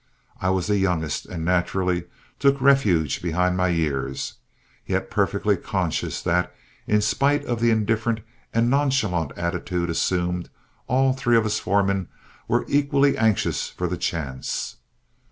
I was the youngest and naturally took refuge behind my years, yet perfectly conscious that, in spite of the indifferent and nonchalant attitude assumed, all three of us foremen were equally anxious for the chance.